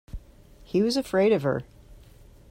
He was afraid of her.